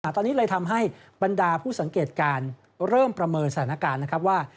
ตอนนี้เลยทำให้บรรดาผู้สังเกตการณ์เริ่มประเมินสถานการณ์นะครับว่า